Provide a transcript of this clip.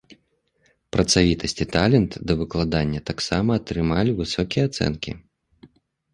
Працавітасць і талент да выкладання таксама атрымалі высокія ацэнкі.